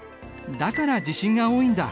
だから地震が多いんだ。